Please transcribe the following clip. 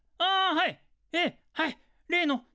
はい。